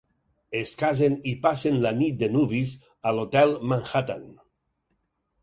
Es casen i passen la nit de nuvis a l'hotel Manhattan.